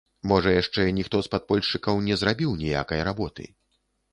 Можа, яшчэ ніхто з падпольшчыкаў не зрабіў ніякай работы.